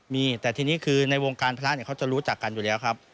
มีแต่ทีนี้คือในวงการพระเนี่ยเขาจะรู้จักกันอยู่แล้วครับ